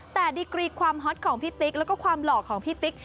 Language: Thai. แต่ดีกรีความฮอตของพี่ติ๊กแล้วก็ความหล่อของพี่ติ๊ก